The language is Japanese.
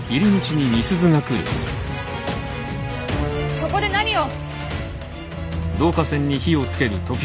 そこで何を！